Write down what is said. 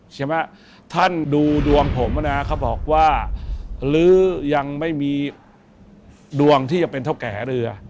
ใช่ไหมท่านดูดวงผมนะเขาบอกว่าหรือยังไม่มีดวงที่จะเป็นเท่าแก่เรือ